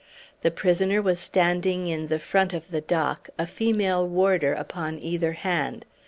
The prisoner was standing in the front of the dock, a female warder upon either hand.